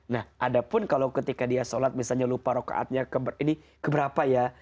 nah ada pun kalau ketika dia sholat misalnya lupa rokaatnya ini keberapa ya